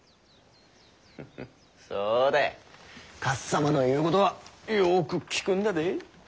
かっさまの言うことはよく聞くんだで。